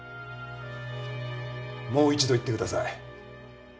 もう一度言ってください。